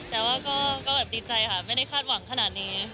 แต่ว่าก็แบบดีใจค่ะไม่ได้คาดหวังขนาดนี้